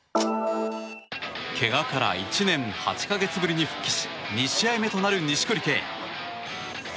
けがから１年８か月ぶりに復帰し２試合目となる錦織圭。